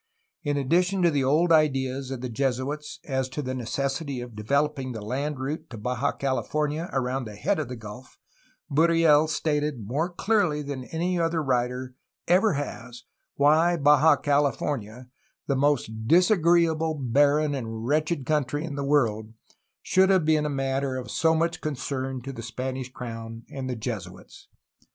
In addition to the old ideas of the Jesuits as to the necessity of developing the land route to Baja California around the head of the gulf, Burriel stated more clearly than any other writer ever has why Baja Cali I 200 A HISTORY OF CALIFORNIA fornia, the ''most disagreeable, barren, and wretched coun try in the world, '^ should have been a matter of so much concern to the Spanish crown and the Jesuits.